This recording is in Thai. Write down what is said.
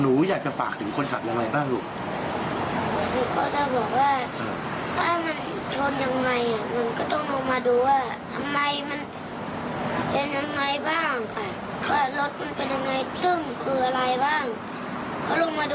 หนูอยากจะฝากถึงคนขับยังไงบ้างลูก